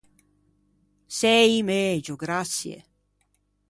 Sei i megio, graçie!